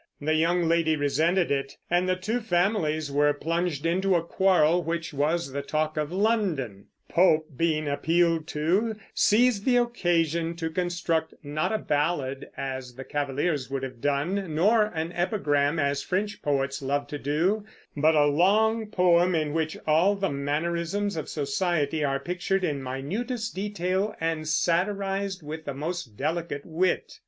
The young lady resented it, and the two families were plunged into a quarrel which was the talk of London. Pope, being appealed to, seized the occasion to construct, not a ballad, as the Cavaliers would have done, nor an epigram, as French poets love to do, but a long poem in which all the mannerisms of society are pictured in minutest detail and satirized with the most delicate wit.